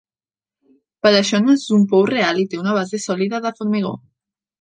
Per això no és un pou real i té una base solida de formigó.